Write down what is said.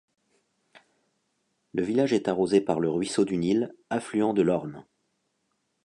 Le village est arrosé par le ruisseau du Nil, affluent de l'Orne.